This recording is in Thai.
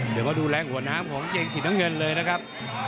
เดี๋ยวเขาดูแรงหัวน้ำของเกงสีน้ำเงินเลยนะครับ